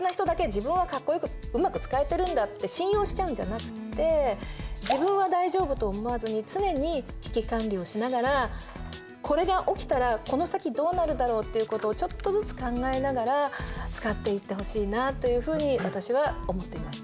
自分はかっこよくうまく使えてるんだ」って信用しちゃうんじゃなくて「自分は大丈夫」と思わずに常に危機管理をしながらこれが起きたらこの先どうなるだろうっていうことをちょっとずつ考えながら使っていってほしいなというふうに私は思っています。